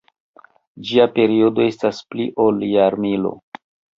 Ĝia periodo estas pli ol jarmilo.